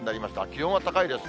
気温は高いです。